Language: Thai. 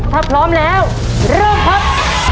ถ้าพร้อมแล้วเริ่มครับ